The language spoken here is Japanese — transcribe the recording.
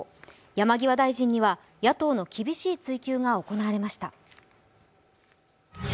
山際大臣には野党の厳しい追及が行われました。